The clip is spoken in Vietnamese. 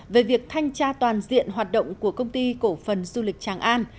về việc thanh tra toàn diện hoạt động của công ty cổ phần du lịch tràng an